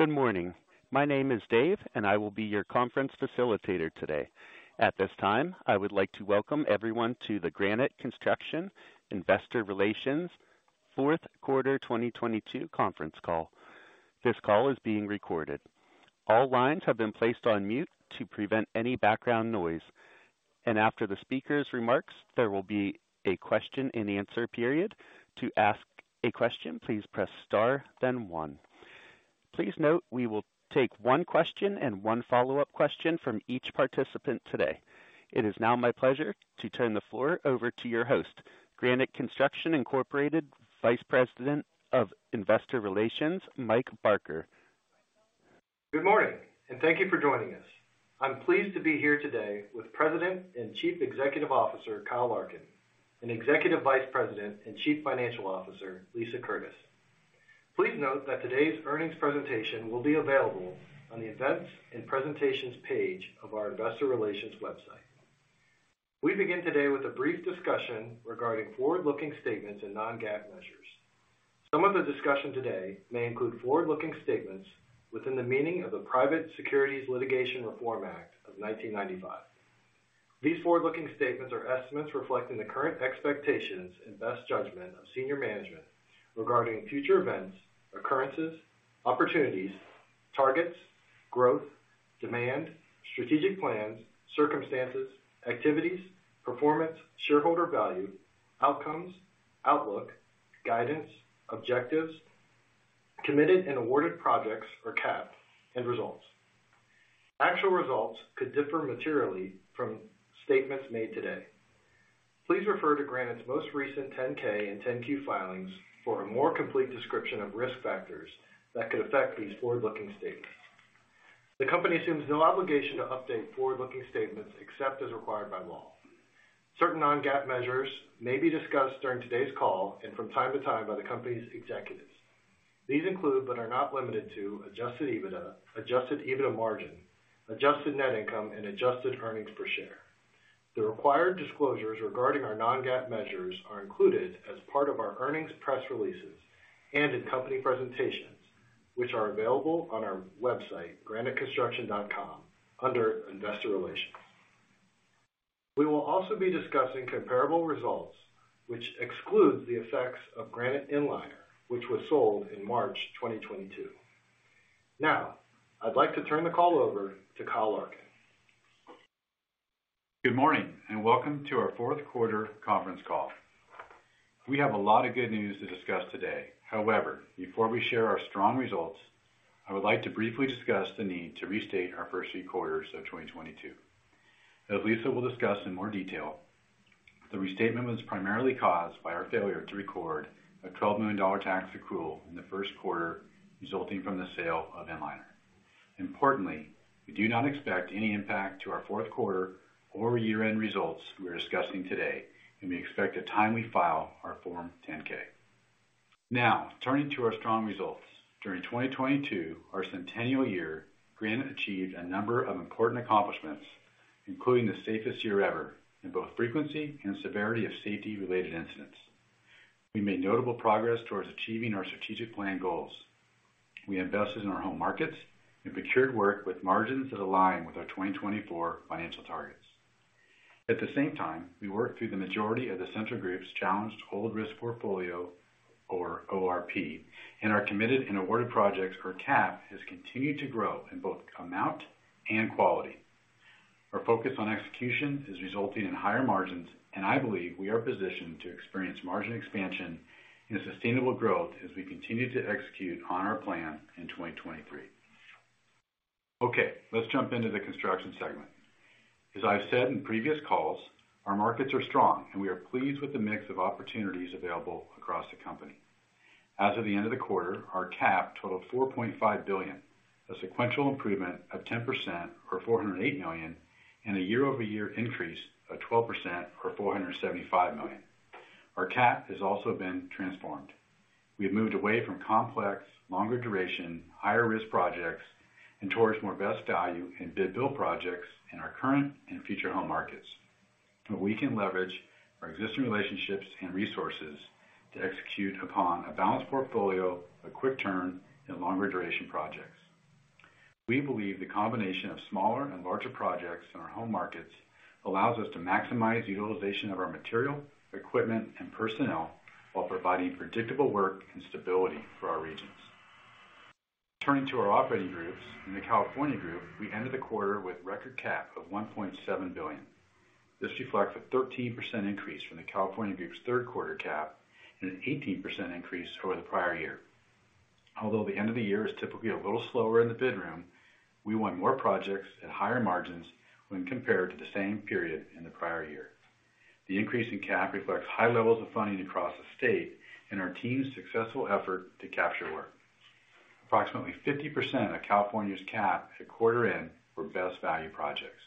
Good morning. My name is Dave, I will be your conference facilitator today. At this time, I would like to welcome everyone to the Granite Construction Investor Relations Fourth Quarter 2022 conference call. This call is being recorded. All lines have been placed on mute to prevent any background noise. After the speaker's remarks, there will be a question-and-answer period. To ask a question, please press star then one. Please note we will take one question and one follow-up question from each participant today. It is now my pleasure to turn the floor over to your host, Granite Construction Incorporated Vice President of Investor Relations, Mike Barker. Good morning, and thank you for joining us. I'm pleased to be here today with President and Chief Executive Officer, Kyle Larkin, and Executive Vice President and Chief Financial Officer, Lisa Curtis. Please note that today's earnings presentation will be available on the Events and Presentations page of our investor relations website. We begin today with a brief discussion regarding forward-looking statements and non-GAAP measures. Some of the discussion today may include forward-looking statements within the meaning of the Private Securities Litigation Reform Act of 1995. These forward-looking statements are estimates reflecting the current expectations and best judgment of senior management regarding future events, occurrences, opportunities, targets, growth, demand, strategic plans, circumstances, activities, performance, shareholder value, outcomes, outlook, guidance, objectives, committed and awarded projects or CAP, and results. Actual results could differ materially from statements made today. Please refer to Granite's most recent 10-K and 10-Q filings for a more complete description of risk factors that could affect these forward-looking statements. The company assumes no obligation to update forward-looking statements except as required by law. Certain non-GAAP measures may be discussed during today's call and from time to time by the company's executives. These include, but are not limited to adjusted EBITDA, adjusted EBITDA margin, adjusted net income, and adjusted earnings per share. The required disclosures regarding our non-GAAP measures are included as part of our earnings press releases and in company presentations, which are available on our website, graniteconstruction.com, under Investor Relations. We will also be discussing comparable results, which excludes the effects of Granite Inliner, which was sold in March 2022. I'd like to turn the call over to Kyle Larkin. Good morning. Welcome to our fourth quarter conference call. We have a lot of good news to discuss today. However, before we share our strong results, I would like to briefly discuss the need to restate our first three quarters of 2022. As Lisa will discuss in more detail, the restatement was primarily caused by our failure to record a $12 million tax accrual in the first quarter resulting from the sale of Inliner. Importantly, we do not expect any impact to our fourth quarter or year-end results we are discussing today. We expect to timely file our Form 10-K. Turning to our strong results. During 2022, our centennial year, Granite achieved a number of important accomplishments, including the safest year ever in both frequency and severity of safety-related incidents. We made notable progress towards achieving our strategic plan goals. We invested in our home markets and procured work with margins that align with our 2024 financial targets. At the same time, we worked through the majority of the Central Group's challenged Old Risk Portfolio, or ORP, and our committed and awarded projects, or CAP, has continued to grow in both amount and quality. Our focus on execution is resulting in higher margins. I believe we are positioned to experience margin expansion and sustainable growth as we continue to execute on our plan in 2023. Okay, let's jump into the construction segment. As I've said in previous calls, our markets are strong, and we are pleased with the mix of opportunities available across the company. As of the end of the quarter, our CAP totaled $4.5 billion, a sequential improvement of 10% or $408 million, and a year-over-year increase of 12% or $475 million. Our CAP has also been transformed. We have moved away from complex, longer duration, higher risk projects and towards more best value in bid-build projects in our current and future home markets, where we can leverage our existing relationships and resources to execute upon a balanced portfolio of quick turn and longer duration projects. We believe the combination of smaller and larger projects in our home markets allows us to maximize utilization of our material, equipment, and personnel while providing predictable work and stability for our regions. Turning to our operating groups. In the California Group, we ended the quarter with record CAP of $1.7 billion. This reflects a 13% increase from the California Group's third quarter CAP and an 18% increase over the prior year. Although the end of the year is typically a little slower in the bid room, we won more projects at higher margins when compared to the same period in the prior year. The increase in CAP reflects high levels of funding across the state and our team's successful effort to capture work. Approximately 50% of California's CAP at quarter end were best value projects.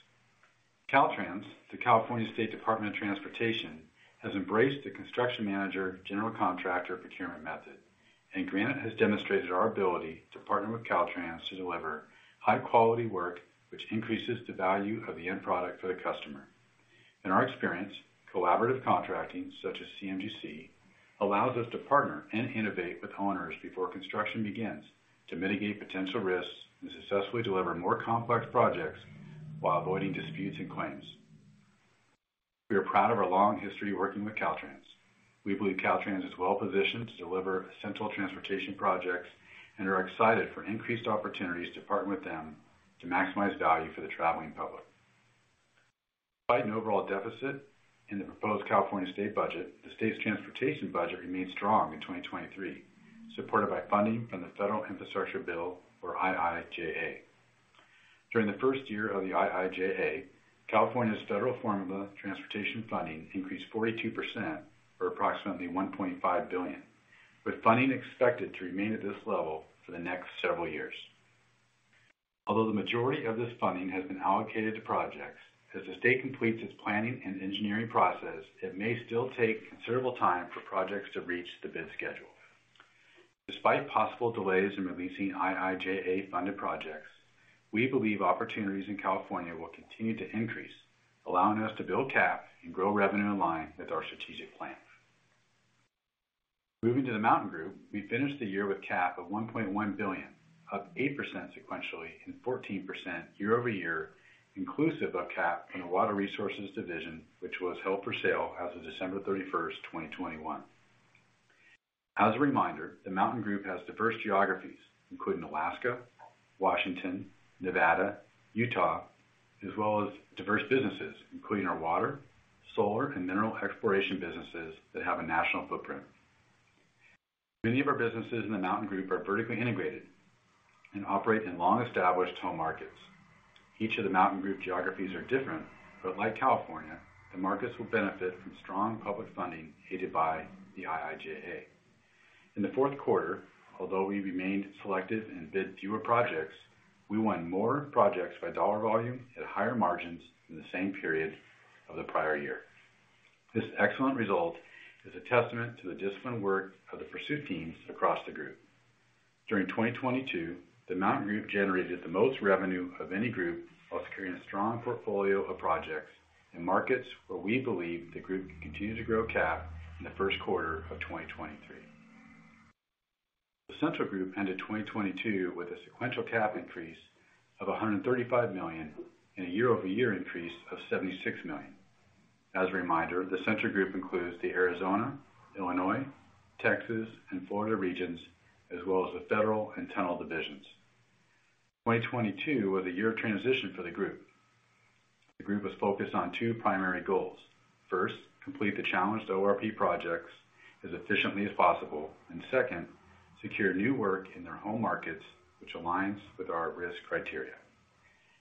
Caltrans, the California Department of Transportation, has embraced the Construction Manager/General Contractor procurement method. Granite has demonstrated our ability to partner with Caltrans to deliver high quality work, which increases the value of the end product for the customer. In our experience, collaborative contracting, such as CMGC, allows us to partner and innovate with owners before construction begins to mitigate potential risks and successfully deliver more complex projects while avoiding disputes and claims. We are proud of our long history working with Caltrans. We believe Caltrans is well-positioned to deliver essential transportation projects and are excited for increased opportunities to partner with them to maximize value for the traveling public. Despite an overall deficit in the proposed California state budget, the state's transportation budget remains strong in 2023, supported by funding from the federal infrastructure bill, or IIJA. During the first year of the IIJA, California's federal formula transportation funding increased 42%, or approximately $1.5 billion, with funding expected to remain at this level for the next several years. Although the majority of this funding has been allocated to projects, as the state completes its planning and engineering process, it may still take considerable time for projects to reach the bid schedule. Despite possible delays in releasing IIJA-funded projects, we believe opportunities in California will continue to increase, allowing us to build CAP and grow revenue in line with our strategic plan. Moving to the Mountain Group, we finished the year with CAP of $1.1 billion, up 8% sequentially and 14% year-over-year, inclusive of CAP from the Water Resources Division, which was held for sale as of December 31st, 2021. As a reminder, the Mountain Group has diverse geographies, including Alaska, Washington, Nevada, Utah, as well as diverse businesses, including our water, solar, and mineral exploration businesses that have a national footprint. Many of our businesses in the Mountain Group are vertically integrated and operate in long-established home markets. Each of the Mountain Group geographies are different, but like California, the markets will benefit from strong public funding aided by the IIJA. In the fourth quarter, although we remained selective and bid fewer projects, we won more projects by dollar volume at higher margins in the same period of the prior year. This excellent result is a testament to the disciplined work of the pursuit teams across the group. During 2022, the Mountain Group generated the most revenue of any group while securing a strong portfolio of projects in markets where we believe the group can continue to grow CAP in the first quarter of 2023. The Central Group ended 2022 with a sequential CAP increase of $135 million and a year-over-year increase of $76 million. As a reminder, the Central Group includes the Arizona, Illinois, Texas, and Florida regions, as well as the federal and tunnel divisions. 2022 was a year of transition for the group. The group was focused on two primary goals. First, complete the challenged ORP projects as efficiently as possible. Second, secure new work in their home markets which aligns with our risk criteria.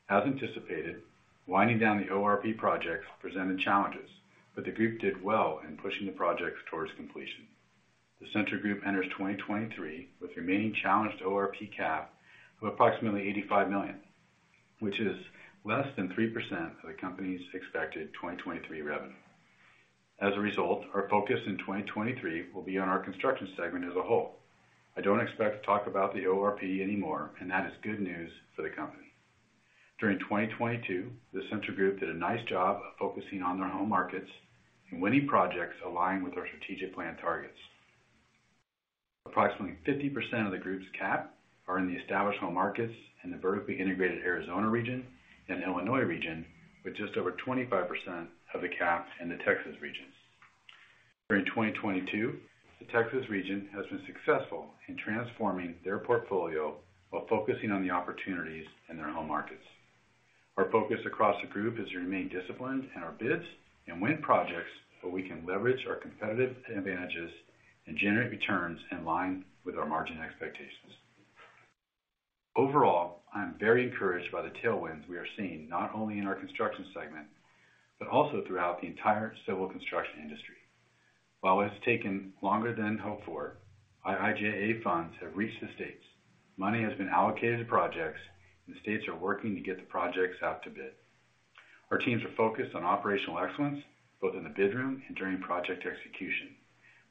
As anticipated, winding down the ORP projects presented challenges, but the group did well in pushing the projects towards completion. The Central Group enters 2023 with remaining challenged ORP cap of approximately $85 million, which is less than 3% of the company's expected 2023 revenue. As a result, our focus in 2023 will be on our construction segment as a whole. I don't expect to talk about the ORP anymore, and that is good news for the company. During 2022, the Central Group did a nice job of focusing on their home markets and winning projects aligned with our strategic plan targets. Approximately 50% of the group's cap are in the established home markets in the vertically integrated Arizona region and Illinois region, with just over 25% of the cap in the Texas regions. During 2022, the Texas region has been successful in transforming their portfolio while focusing on the opportunities in their home markets. Our focus across the group is to remain disciplined in our bids and win projects where we can leverage our competitive advantages and generate returns in line with our margin expectations. Overall, I am very encouraged by the tailwinds we are seeing, not only in our construction segment, but also throughout the entire civil construction industry. While it's taken longer than hoped for, IIJA funds have reached the states. Money has been allocated to projects. The states are working to get the projects out to bid. Our teams are focused on operational excellence, both in the bid room and during project execution.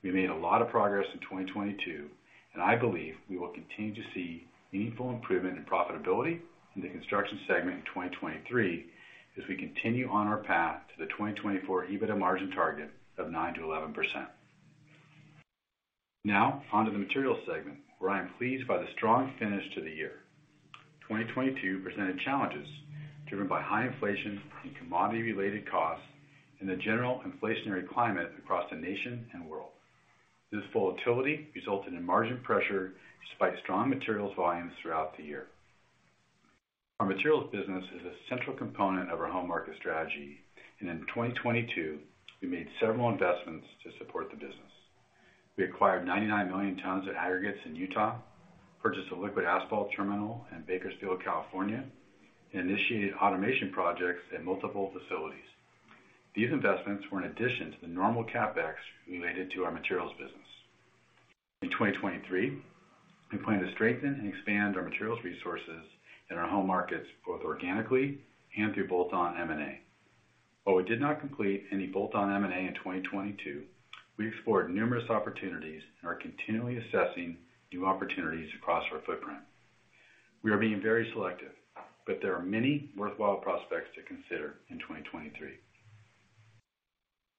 We made a lot of progress in 2022. I believe we will continue to see meaningful improvement in profitability in the construction segment in 2023 as we continue on our path to the 2024 EBITDA margin target of 9%-11%. Now on to the material segment, where I am pleased by the strong finish to the year. 2022 presented challenges driven by high inflation and commodity-related costs and the general inflationary climate across the nation and world. This volatility resulted in margin pressure despite strong materials volumes throughout the year. Our materials business is a central component of our home market strategy, and in 2022, we made several investments to support the business. We acquired 99 million tons of aggregates in Utah, purchased a liquid asphalt terminal in Bakersfield, California, and initiated automation projects in multiple facilities. These investments were in addition to the normal CapEx related to our materials business. In 2023, we plan to strengthen and expand our materials resources in our home markets, both organically and through bolt-on M&A. While we did not complete any bolt-on M&A in 2022, we explored numerous opportunities and are continually assessing new opportunities across our footprint. We are being very selective, there are many worthwhile prospects to consider in 2023.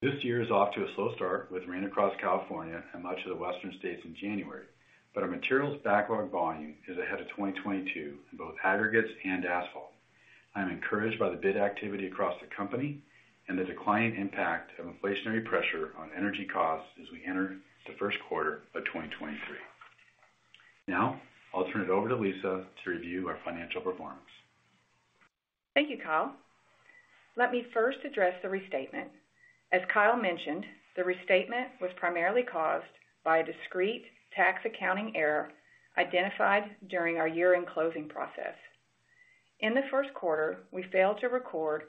This year is off to a slow start with rain across California and much of the Western States in January. Our materials backlog volume is ahead of 2022 in both aggregates and asphalt. I am encouraged by the bid activity across the company and the declining impact of inflationary pressure on energy costs as we enter the first quarter of 2023. Now, I'll turn it over to Lisa to review our financial performance. Thank you, Kyle. Let me first address the restatement. As Kyle mentioned, the restatement was primarily caused by a discrete tax accounting error identified during our year-end closing process. In the first quarter, we failed to record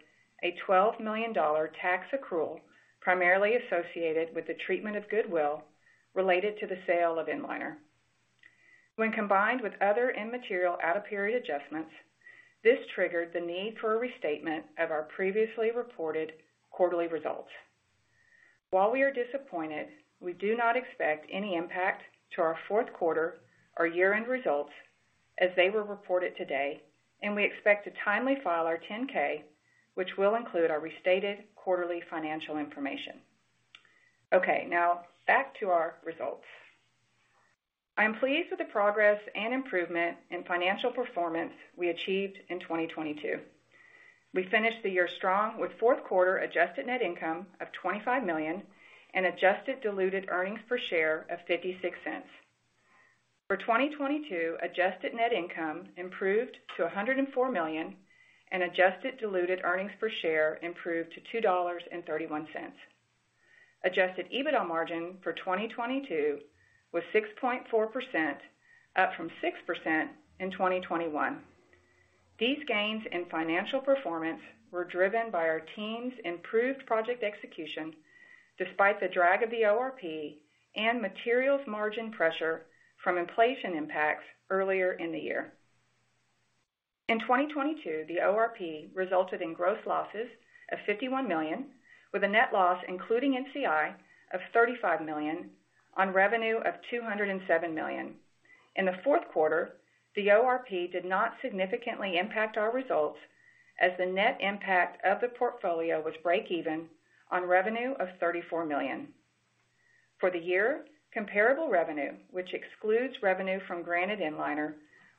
a $12 million tax accrual, primarily associated with the treatment of goodwill related to the sale of Inliner. When combined with other immaterial out-of-period adjustments, this triggered the need for a restatement of our previously reported quarterly results. While we are disappointed, we do not expect any impact to our fourth quarter or year-end results as they were reported today, and we expect to timely file our 10-K, which will include our restated quarterly financial information. Okay, now back to our results. I am pleased with the progress and improvement in financial performance we achieved in 2022. We finished the year strong with fourth quarter adjusted net income of $25 million and adjusted diluted earnings per share of $0.56. For 2022, adjusted net income improved to $104 million, and adjusted diluted earnings per share improved to $2.31. Adjusted EBITDA margin for 2022 was 6.4%, up from 6% in 2021. These gains in financial performance were driven by our team's improved project execution, despite the drag of the ORP and materials margin pressure from inflation impacts earlier in the year. In 2022, the ORP resulted in gross losses of $51 million, with a net loss including NCI of $35 million on revenue of $207 million. In the fourth quarter, the ORP did not significantly impact our results as the net impact of the portfolio was breakeven on revenue of $34 million. For the year, comparable revenue, which excludes revenue from Granite Inliner,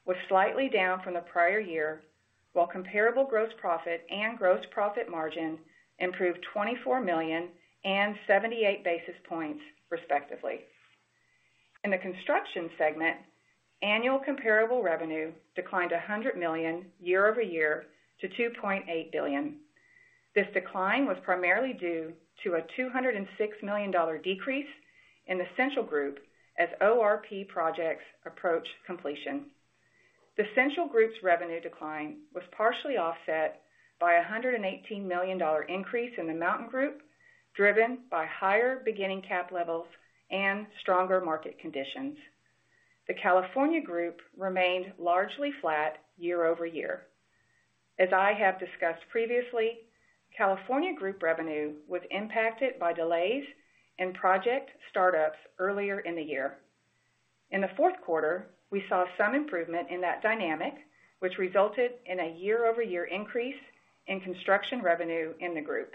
was slightly down from the prior year, while comparable gross profit and gross profit margin improved $24 million and 78 basis points, respectively. In the construction segment, annual comparable revenue declined $100 million year-over-year to $2.8 billion. This decline was primarily due to a $206 million decrease in the Central Group as ORP projects approach completion. The Central Group's revenue decline was partially offset by a $118 million increase in the Mountain Group, driven by higher beginning cap levels and stronger market conditions. The California Group remained largely flat year-over-year. As I have discussed previously, California Group revenue was impacted by delays in project startups earlier in the year. In the fourth quarter, we saw some improvement in that dynamic, which resulted in a year-over-year increase in construction revenue in the group.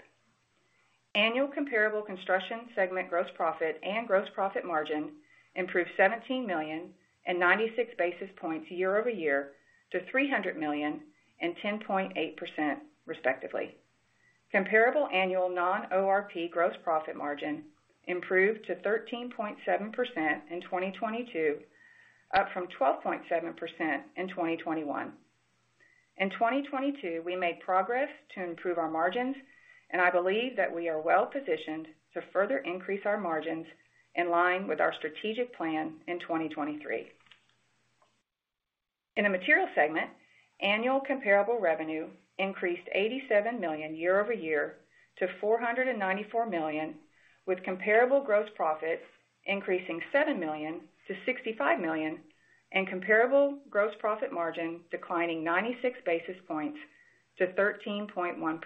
Annual comparable construction segment gross profit and gross profit margin improved $17 million and 96 basis points year-over-year to $300 million and 10.8%, respectively. Comparable annual non-ORP gross profit margin improved to 13.7% in 2022, up from 12.7% in 2021. In 2022, we made progress to improve our margins, I believe that we are well-positioned to further increase our margins in line with our strategic plan in 2023. In the materials segment, annual comparable revenue increased $87 million year-over-year to $494 million, with comparable gross profit increasing $7 million to $65 million, and comparable gross profit margin declining 96 basis points to 13.1%.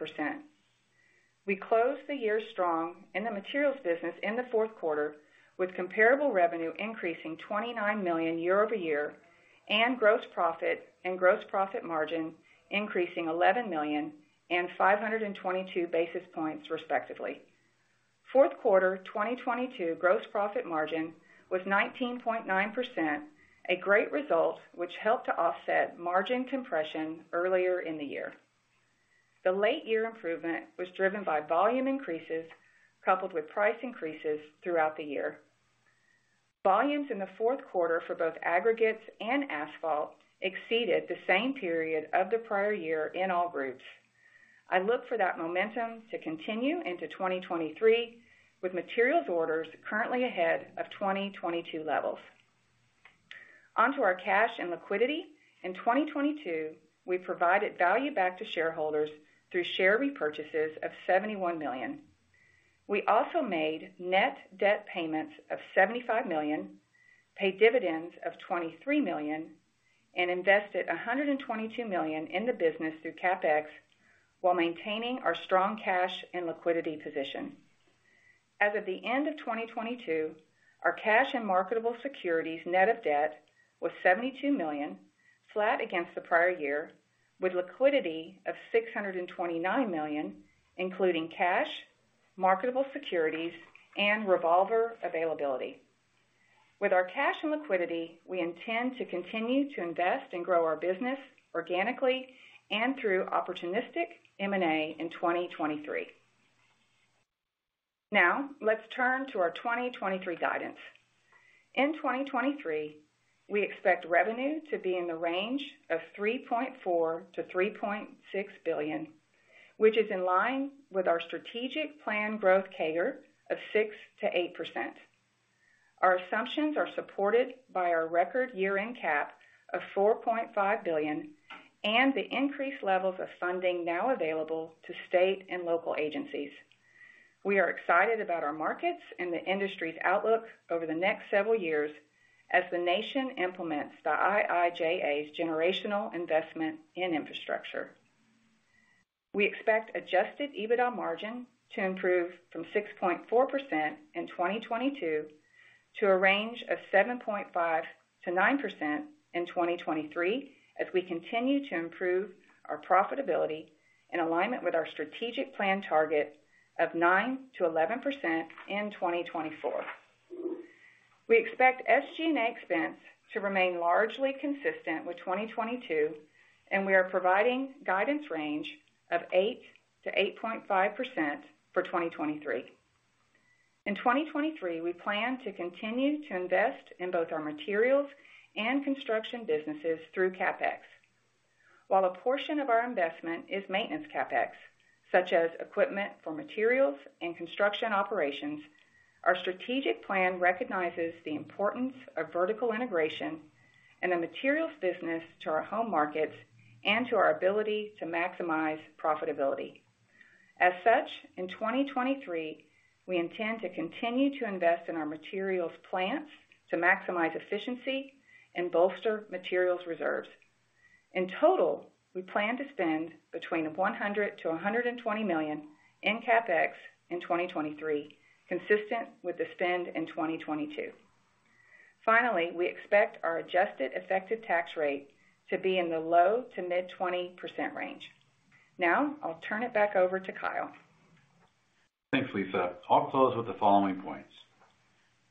We closed the year strong in the materials business in the fourth quarter, with comparable revenue increasing $29 million year-over-year, and gross profit and gross profit margin increasing $11 million and 522 basis points, respectively. Fourth quarter 2022 gross profit margin was 19.9%, a great result which helped to offset margin compression earlier in the year. The late year improvement was driven by volume increases coupled with price increases throughout the year. Volumes in the fourth quarter for both aggregates and asphalt exceeded the same period of the prior year in all groups. I look for that momentum to continue into 2023, with materials orders currently ahead of 2022 levels. On to our cash and liquidity. In 2022, we provided value back to shareholders through share repurchases of $71 million. We also made net debt payments of $75 million, paid dividends of $23 million, and invested $122 million in the business through CapEx while maintaining our strong cash and liquidity position. As of the end of 2022, our cash and marketable securities net of debt was $72 million, flat against the prior year, with liquidity of $629 million, including cash, marketable securities, and revolver availability. With our cash and liquidity, we intend to continue to invest and grow our business organically and through opportunistic M&A in 2023. Let's turn to our 2023 guidance. In 2023, we expect revenue to be in the range of $3.4 billion-$3.6 billion, which is in line with our strategic plan growth CAGR of 6%-8%. Our assumptions are supported by our record year-end CAP of $4.5 billion and the increased levels of funding now available to state and local agencies. We are excited about our markets and the industry's outlook over the next several years as the nation implements the IIJA's generational investment in infrastructure. We expect adjusted EBITDA margin to improve from 6.4% in 2022 to a range of 7.5%-9% in 2023, as we continue to improve our profitability in alignment with our strategic plan target of 9%-11% in 2024. We expect SG&A expense to remain largely consistent with 2022. We are providing guidance range of 8%-8.5% for 2023. In 2023, we plan to continue to invest in both our materials and construction businesses through CapEx. While a portion of our investment is maintenance CapEx, such as equipment for materials and construction operations, our strategic plan recognizes the importance of vertical integration in the materials business to our home markets and to our ability to maximize profitability. As such, in 2023, we intend to continue to invest in our materials plants to maximize efficiency and bolster materials reserves. In total, we plan to spend between $100 million-$120 million in CapEx in 2023, consistent with the spend in 2022. Finally, we expect our adjusted effective tax rate to be in the low to mid 20% range. Now I'll turn it back over to Kyle. Thanks, Lisa. I'll close with the following points.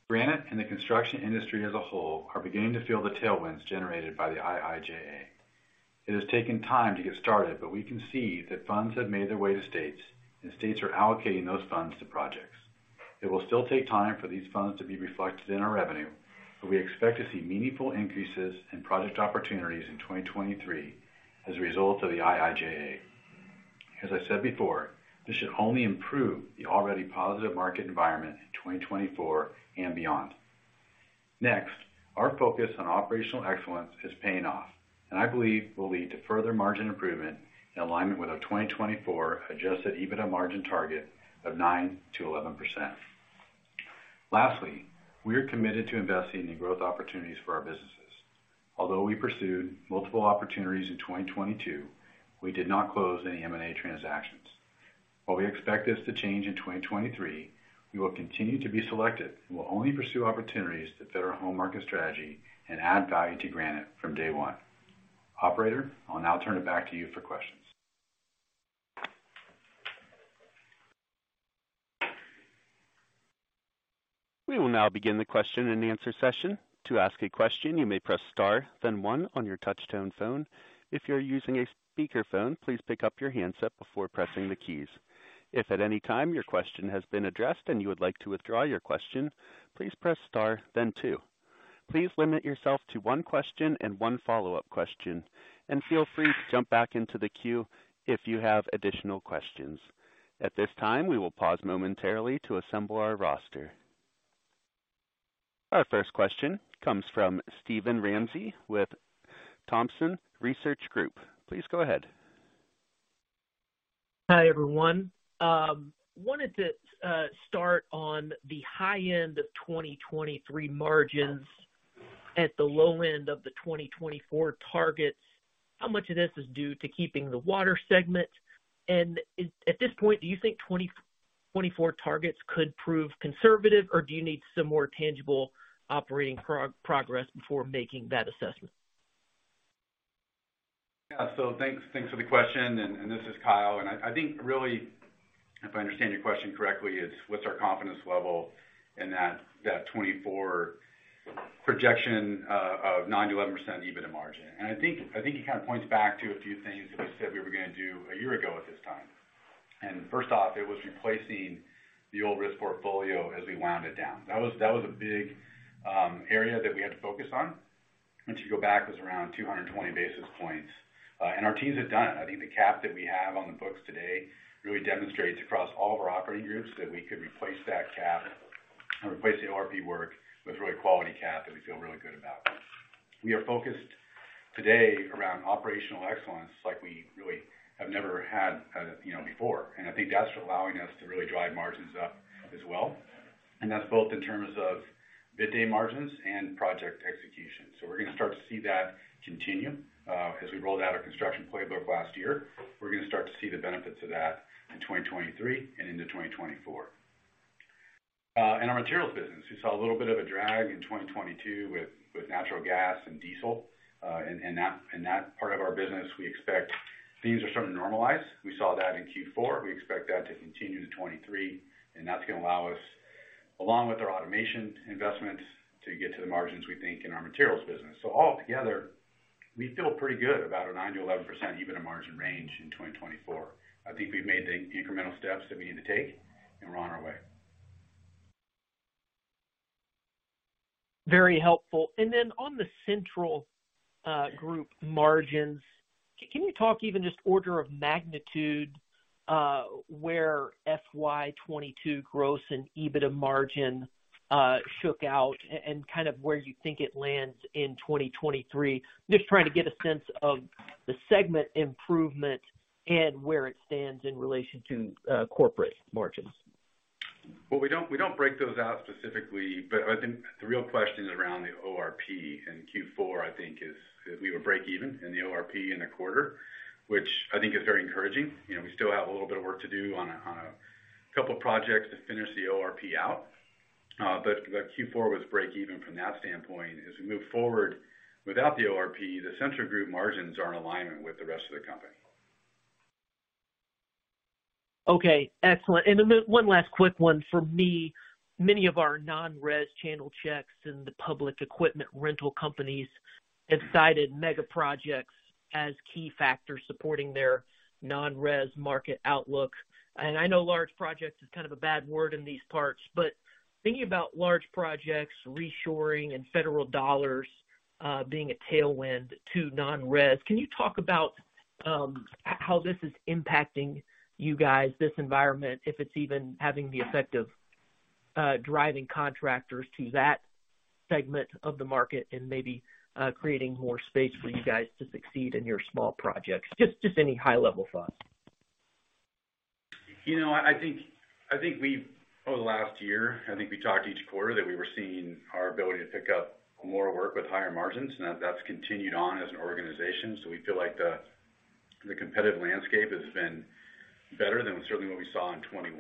Granite and the construction industry as a whole are beginning to feel the tailwinds generated by the IIJA. It has taken time to get started, but we can see that funds have made their way to states, and states are allocating those funds to projects. It will still take time for these funds to be reflected in our revenue, but we expect to see meaningful increases in project opportunities in 2023 as a result of the IIJA. As I said before, this should only improve the already positive market environment in 2024 and beyond. Our focus on operational excellence is paying off, and I believe will lead to further margin improvement in alignment with our 2024 adjusted EBITDA margin target of 9%-11%. We are committed to investing in growth opportunities for our businesses. Although we pursued multiple opportunities in 2022, we did not close any M&A transactions. While we expect this to change in 2023, we will continue to be selective and will only pursue opportunities that fit our home market strategy and add value to Granite from day one. Operator, I'll now turn it back to you for questions. We will now begin the question-and-answer session. To ask a question, you may press Star, then 1 on your touchtone phone. If you're using a speakerphone, please pick up your handset before pressing the keys. If at any time your question has been addressed and you would like to withdraw your question, please press Star then two. Please limit yourself to one question and one follow-up question, and feel free to jump back into the queue if you have additional questions. At this time, we will pause momentarily to assemble our roster. Our first question comes from Steven Ramsey with Thompson Research Group. Please go ahead. Hi, everyone. wanted to start on the high end of 2023 margins at the low end of the 2024 targets. How much of this is due to keeping the water segment? At this point, do you think 2024 targets could prove conservative, or do you need some more tangible operating progress before making that assessment? Yeah. Thanks for the question. This is Kyle. I think really, if I understand your question correctly, is what's our confidence level in that 2024 projection of 9%-11% EBITDA margin. I think it kind of points back to a few things that we said we were gonna do a year ago at this time. First off, it was replacing the Old Risk Portfolio as we wound it down. That was a big area that we had to focus on. Once you go back, it was around 220 basis points. Our teams have done it. I think the CAP that we have on the books today really demonstrates across all of our operating groups that we could replace that CAP and replace the ORP work with really quality CAP that we feel really good about. We are focused today around operational excellence like we really have never had, you know, before. I think that's allowing us to really drive margins up as well. That's both in terms of bid day margins and project execution. We're gonna start to see that continue as we rolled out our Construction Playbook last year. We're gonna start to see the benefits of that in 2023 and into 2024. In our materials business, we saw a little bit of a drag in 2022 with natural gas and diesel. And that part of our business, we expect things are starting to normalize. We saw that in Q4. We expect that to continue to 2023, and that's gonna allow us, along with our automation investments, to get to the margins we think in our materials business. All together, we feel pretty good about a 9%-11% adjusted EBITDA margin range in 2024. I think we've made the incremental steps that we need to take, and we're on our way. Very helpful. Then on the Central Group margins, can you talk even just order of magnitude, where FY 2022 gross and EBITDA margin shook out and kind of where you think it lands in 2023? Just trying to get a sense of the segment improvement and where it stands in relation to corporate margins. We don't break those out specifically, but I think the real question is around the ORP. In Q4, I think is we were breakeven in the ORP in the quarter, which I think is very encouraging. You know, we still have a little bit of work to do on a couple of projects to finish the ORP out. Q4 was breakeven from that standpoint. As we move forward without the ORP, the Central Group margins are in alignment with the rest of the company. Okay, excellent. Then one last quick one for me. Many of our non-res channel checks in the public equipment rental companies have cited mega projects as key factors supporting their non-res market outlook. I know large projects is kind of a bad word in these parts, but thinking about large projects, reshoring, and federal dollars, being a tailwind to non-res, can you talk about how this is impacting you guys, this environment, if it's even having the effect of driving contractors to that segment of the market and maybe creating more space for you guys to succeed in your small projects? Just any high-level thoughts. You know, I think we've over the last year, I think we talked each quarter that we were seeing our ability to pick up more work with higher margins, and that's continued on as an organization. We feel like the competitive landscape has been better than certainly what we saw in 2021.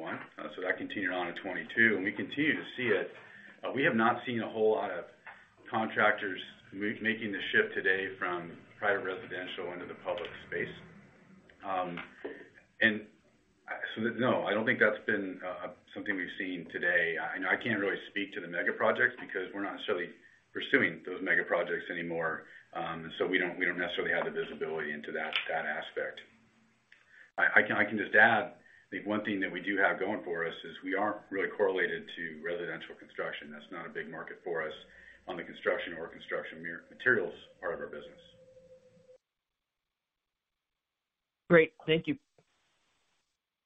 That continued on in 2022, and we continue to see it. We have not seen a whole lot of contractors making the shift today from private residential into the public space. No, I don't think that's been something we've seen today. I know I can't really speak to the mega projects because we're not necessarily pursuing those mega projects anymore. We don't necessarily have the visibility into that aspect. I can just add, I think one thing that we do have going for us is we aren't really correlated to residential construction. That's not a big market for us on the construction or construction materials part of our business. Great. Thank you.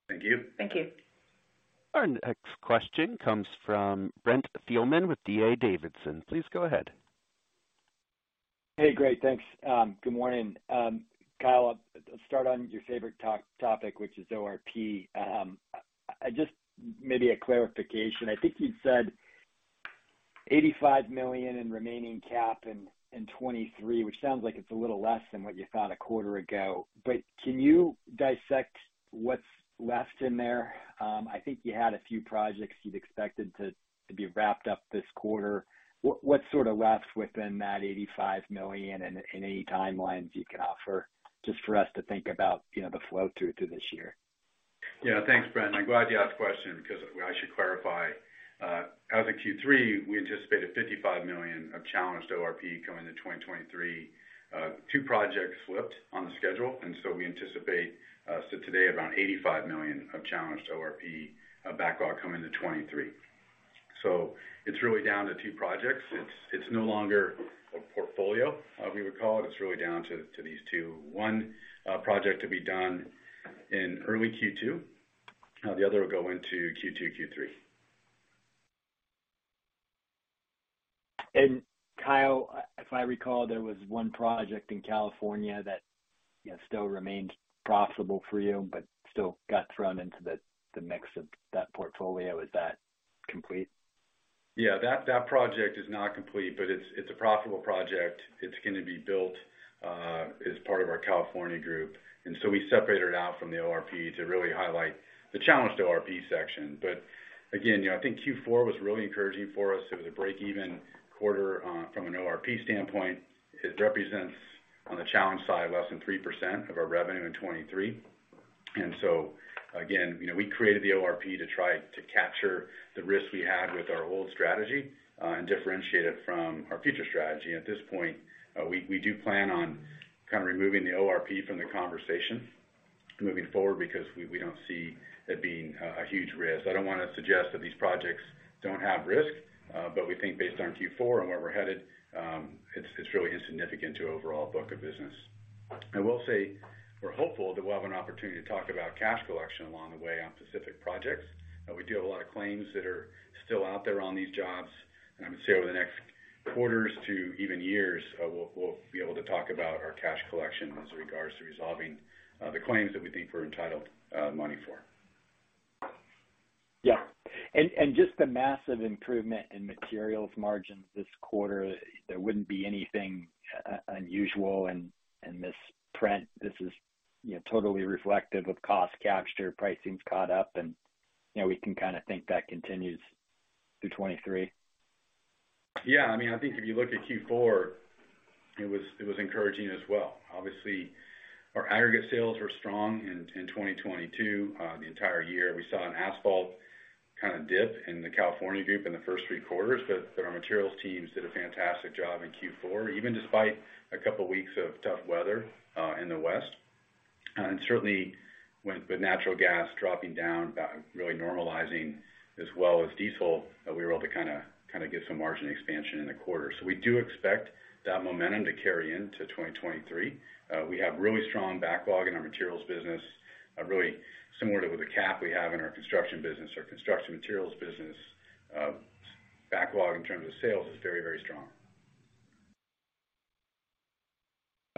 Thank you. Our next question comes from Brent Thielman with D.A. Davidson. Please go ahead. Hey. Great. Thanks. Good morning. Kyle, I'll start on your favorite to-topic, which is ORP. Just maybe a clarification. I think you said $85 million in remaining CapEx in 2023, which sounds like it's a little less than what you thought a quarter ago. Can you dissect what's left in there? I think you had a few projects you'd expected to be wrapped up this quarter. What's sort of left within that $85 million and any timelines you can offer just for us to think about, you know, the flow through to this year? Yeah. Thanks, Brent. I'm glad you asked the question because I should clarify. As of Q3, we anticipated $55 million of challenged ORP coming to 2023. Two projects slipped on the schedule, we anticipate today around $85 million of challenged ORP backlog coming to 23. It's really down to two projects. It's no longer a portfolio we would call it. It's really down to these two. One project to be done in early Q2. The other will go into Q2, Q3. Kyle, if I recall, there was one project in California that, you know, still remains profitable for you, but still got thrown into the mix of that portfolio. Is that complete? That project is not complete, but it's a profitable project. It's gonna be built as part of our California Group. We separated it out from the ORP to really highlight the challenged ORP section. Again, you know, I think Q4 was really encouraging for us. It was a break-even quarter from an ORP standpoint. It represents, on the challenge side, less than 3% of our revenue in 23. Again, you know, we created the ORP to try to capture the risk we had with our old strategy and differentiate it from our future strategy. At this point, we do plan on kind of removing the ORP from the conversation moving forward because we don't see it being a huge risk. I don't wanna suggest that these projects don't have risk, but we think based on Q4 and where we're headed, it's really insignificant to overall book of business. I will say we're hopeful that we'll have an opportunity to talk about cash collection along the way on specific projects. We do have a lot of claims that are still out there on these jobs. I would say over the next quarters to even years, we'll be able to talk about our cash collection as regards to resolving the claims that we think we're entitled money for. Yeah. Just the massive improvement in materials margins this quarter, there wouldn't be anything unusual in this trend. This is, you know, totally reflective of cost capture, pricing's caught up, and, you know, we can kinda think that continues through 23. Yeah. I mean, I think if you look at Q4, it was encouraging as well. Obviously, our aggregate sales were strong in 2022, the entire year. We saw an asphalt kind of dip in the California Group in the first three quarters. Our materials teams did a fantastic job in Q4, even despite a couple weeks of tough weather in the West. And certainly with the natural gas dropping down, really normalizing as well as diesel, we were able to kind of get some margin expansion in the quarter. We do expect that momentum to carry into 2023. We have really strong backlog in our materials business, really similar to the CAP we have in our construction business. Our construction materials business, backlog in terms of sales is very, very strong.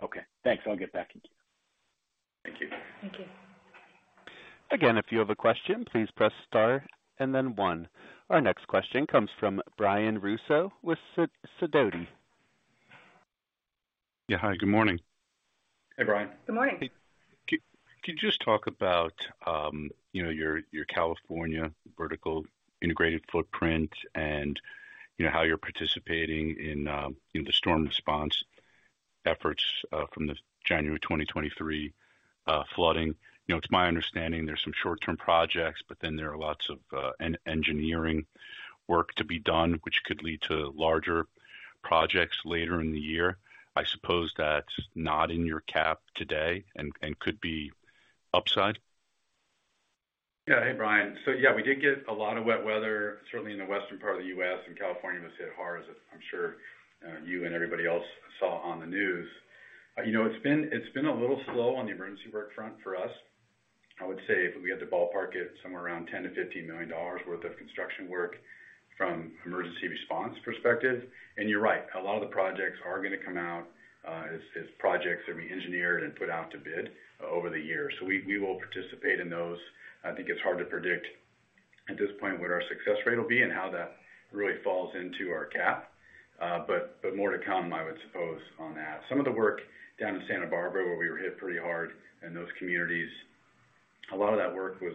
Okay, thanks. I'll get back with you. Thank you. Thank you. Again, if you have a question, please press star and then one. Our next question comes from Brian Russo with Sidoti. Yeah. Hi, good morning. Hey, Brian. Good morning. Could you just talk about, you know, your California vertical integrated footprint and, you know, how you're participating in the storm response efforts from the January 2023 flooding. You know, it's my understanding there's some short-term projects, but then there are lots of engineering work to be done, which could lead to larger projects later in the year. I suppose that's not in your CAP today and could be upside. Yeah. Hey, Brian. Yeah, we did get a lot of wet weather, certainly in the western part of the U.S., and California was hit hard, as I'm sure you and everybody else saw on the news. You know, it's been a little slow on the emergency work front for us. I would say if we had to ballpark it, somewhere around $10 million-$15 million worth of construction work from emergency response perspective. You're right, a lot of the projects are gonna come out as projects that we engineered and put out to bid over the year. We will participate in those. I think it's hard to predict at this point what our success rate will be and how that really falls into our CAP. More to come, I would suppose, on that. Some of the work down in Santa Barbara, where we were hit pretty hard in those communities, a lot of that work was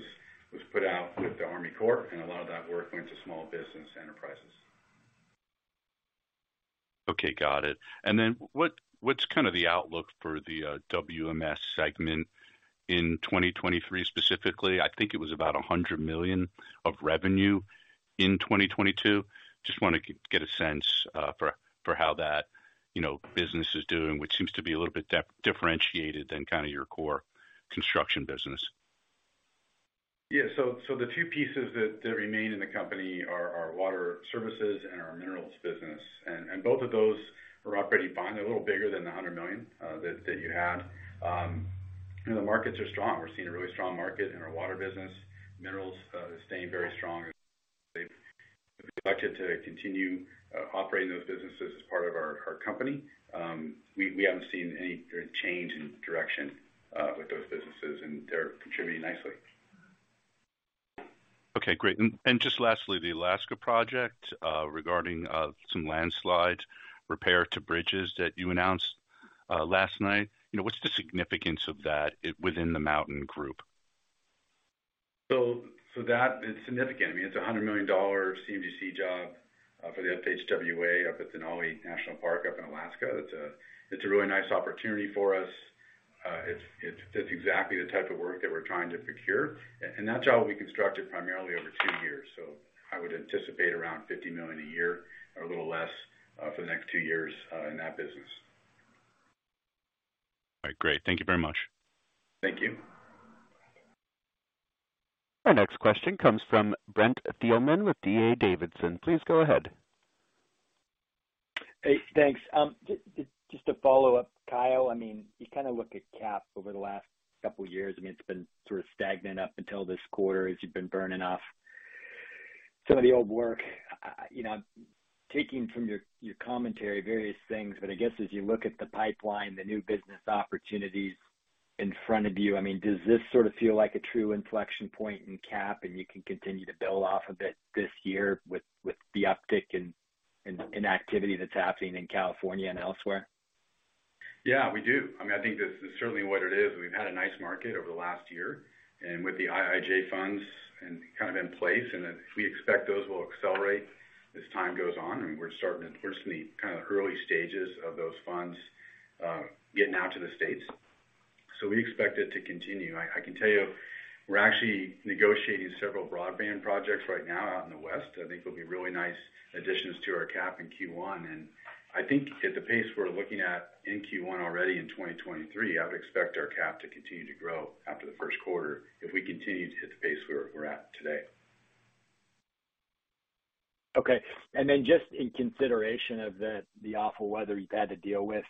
put out with the Army Corps, and a lot of that work went to small business enterprises. Okay, got it. Then what's kinda the outlook for the WMS segment in 2023 specifically? I think it was about $100 million of revenue in 2022. Just wanna get a sense for how that, you know, business is doing, which seems to be a little bit de-differentiated than kinda your core construction business. Yeah. The two pieces that remain in the company are our water services and our minerals business. Both of those are operating fine. They're a little bigger than the $100 million that you had. The markets are strong. We're seeing a really strong market in our water business. Minerals staying very strong. They've elected to continue operating those businesses as part of our company. We haven't seen any change in direction with those businesses, and they're contributing nicely. Okay, great. Just lastly, the Alaska project, regarding some landslide repair to bridges that you announced last night. You know, what's the significance of that within the Mountain Group? That is significant. I mean, it's a $100 million CMGC job for the FHWA up at Denali National Park up in Alaska. It's a really nice opportunity for us. It's, that's exactly the type of work that we're trying to procure. And that job will be constructed primarily over two years. I would anticipate around $50 million a year or a little less for the next two years in that business. All right. Great. Thank you very much. Thank you. Our next question comes from Brent Thielman with D.A. Davidson. Please go ahead. Hey, thanks. just to follow up, Kyle. I mean, you kinda look at Cap over the last couple years. I mean, it's been sort of stagnant up until this quarter as you've been burning off some of the old work. you know, taking from your commentary various things, but I guess as you look at the pipeline, the new business opportunities in front of you, I mean, does this sort of feel like a true inflection point in Cap and you can continue to build off of it this year with the uptick in activity that's happening in California and elsewhere? Yeah, we do. I mean, I think that's certainly what it is. We've had a nice market over the last year. With the IIJ funds kind of in place, we expect those will accelerate as time goes on. I mean, we're seeing kinda early stages of those funds getting out to the states. We expect it to continue. I can tell you, we're actually negotiating several broadband projects right now out in the West. I think they'll be really nice additions to our CAP in Q1. I think at the pace we're looking at in Q1 already in 2023, I would expect our CAP to continue to grow after the first quarter if we continue to hit the pace we're at today. Okay. Then just in consideration of the awful weather you've had to deal with,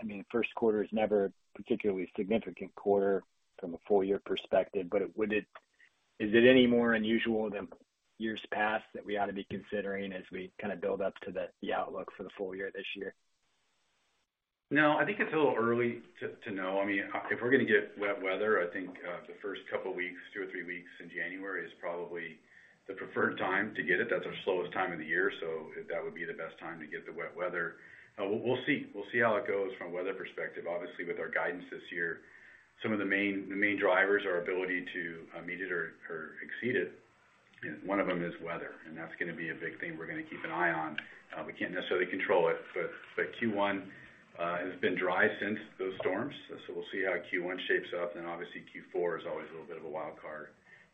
I mean, first quarter is never a particularly significant quarter from a full year perspective. Is it any more unusual than years past that we ought to be considering as we kinda build up to the outlook for the full year this year? I think it's a little early to know. I mean, if we're gonna get wet weather, I think the first couple weeks, two or three weeks in January is probably the preferred time to get it. That's our slowest time of the year, that would be the best time to get the wet weather. We'll see. We'll see how it goes from a weather perspective. Obviously, with our guidance this year, some of the main drivers, our ability to meet it or exceed it, one of them is weather, that's gonna be a big thing we're gonna keep an eye on. We can't necessarily control it. Q1 has been dry since those storms, we'll see how Q1 shapes up. obviously, Q4 is always a little bit of a wild card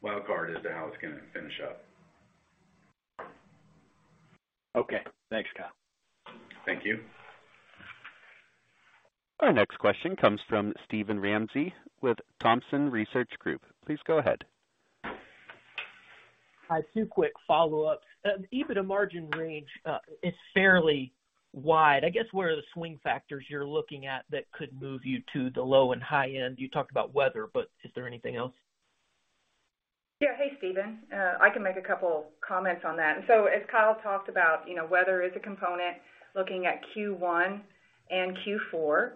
as to how it's gonna finish up. Okay. Thanks, Kyle. Thank you. Our next question comes from Steven Ramsey with Thompson Research Group. Please go ahead. I have two quick follow-ups. EBITDA margin range is fairly wide. I guess where are the swing factors you're looking at that could move you to the low and high end? You talked about weather, but is there anything else? Yeah. Hey, Steven. I can make a couple comments on that. As Kyle talked about, you know, weather is a component looking at Q1 and Q4.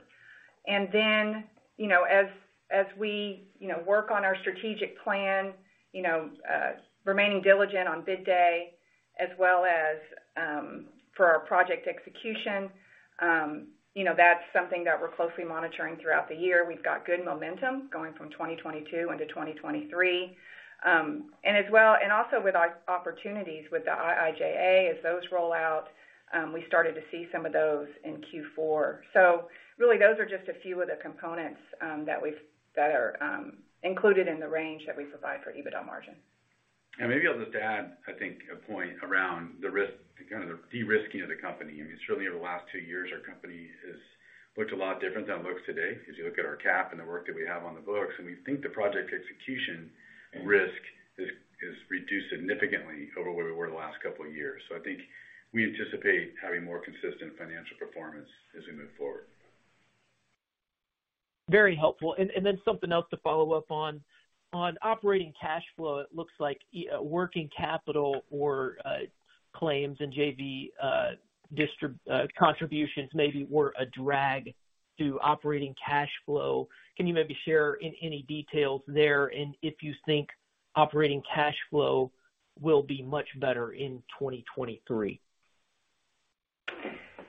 You know, as we, you know, work on our strategic plan, you know, remaining diligent on bid day as well as for our project execution, you know, that's something that we're closely monitoring throughout the year. We've got good momentum going from 2022 into 2023. Also with our opportunities with the IIJA as those roll out, we started to see some of those in Q4. Really, those are just a few of the components that are included in the range that we provide for EBITDA margin. Maybe I'll just add, I think, a point around the risk, kind of the de-risking of the company. I mean, certainly over the last two years, our company has looked a lot different than it looks today as you look at our cap and the work that we have on the books. We think the project execution risk is reduced significantly over where we were the last couple of years. I think we anticipate having more consistent financial performance as we move forward. Very helpful. Then something else to follow up on. On operating cash flow, it looks like working capital or claims and JV contributions maybe were a drag to operating cash flow. Can you maybe share any details there and if you think operating cash flow will be much better in 2023?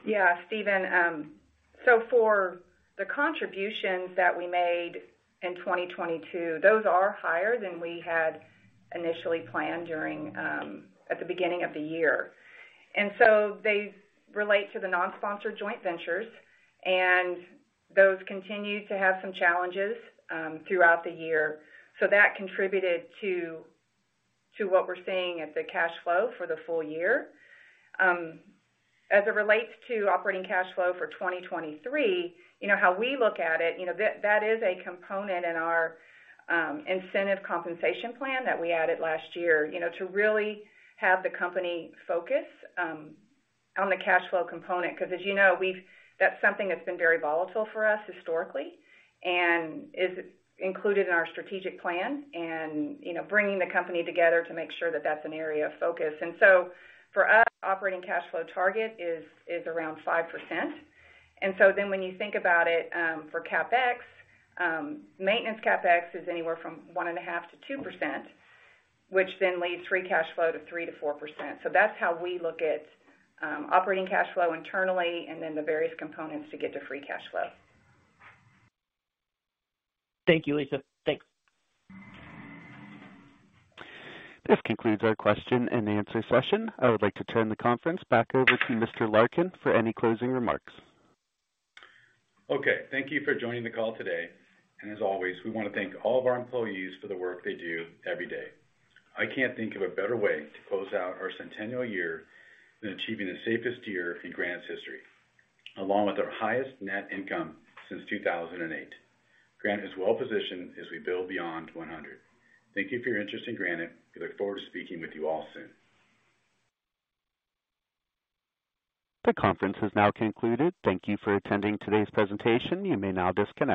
Yeah, Steven. For the contributions that we made in 2022, those are higher than we had initially planned during at the beginning of the year. They relate to the non-sponsored joint ventures, those continued to have some challenges throughout the year. That contributed to what we're seeing as the cash flow for the full year. As it relates to operating cash flow for 2023, you know, how we look at it, you know, that is a component in our incentive compensation plan that we added last year, you know, to really have the company focus on the cash flow component, because as you know, that's something that's been very volatile for us historically and is included in our strategic plan and, you know, bringing the company together to make sure that that's an area of focus. For us, operating cash flow target is around 5%. When you think about it, for CapEx, maintenance CapEx is anywhere from 1.5%-2%, which then leaves free cash flow to 3%-4%. That's how we look at operating cash flow internally and then the various components to get to free cash flow. Thank you, Lisa. Thanks. This concludes our question and answer session. I would like to turn the conference back over to Mr. Larkin for any closing remarks. Okay. Thank you for joining the call today. As always, we wanna thank all of our employees for the work they do every day. I can't think of a better way to close out our centennial year than achieving the safest year in Granite's history, along with our highest net income since 2008. Granite is well positioned as we build beyond 100. Thank you for your interest in Granite. We look forward to speaking with you all soon. The conference has now concluded. Thank You for attending today's presentation. You may now disconnect.